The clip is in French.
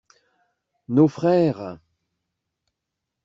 Nos frères.